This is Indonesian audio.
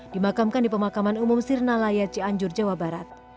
dimakamkan di pemakaman umum sirnalaya cianjur jawa barat